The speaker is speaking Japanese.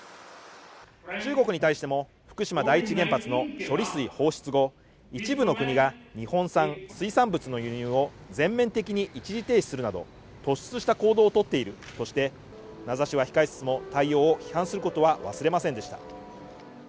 中国に対しても、福島第一原発の処理水放出後、一部の国が日本産水産物の輸入を全面的に一時停止するなど突出した行動をとっているとして名指しは控えつつも対応を批判することは忘れませんでした。